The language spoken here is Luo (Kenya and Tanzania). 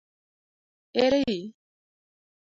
Ere i?